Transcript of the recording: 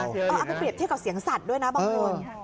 เอาไปเปรียบเทียบกับเสียงสัตว์ด้วยนะบางคน